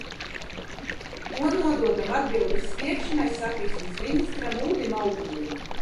To nododam atbildes sniegšanai satiksmes ministram Uldim Augulim.